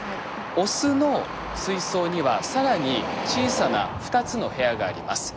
オスの水槽には更に小さな２つの部屋があります。